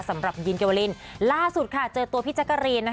สำหรับยินเกวรินล่าสุดค่ะเจอตัวพี่แจ๊กกะรีนนะคะ